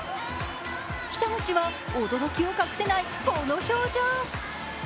北口は驚きを隠せないこの表情。